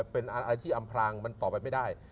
เป็นอะไรที่อำพลางมันต่อไปไม่ได้